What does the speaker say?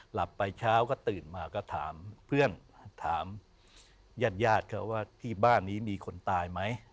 หลับไปเช้าก็ตื่นมาก็ถามเพื่อนถามญาติญาติเขาว่าที่บ้านนี้มีคนตายไหม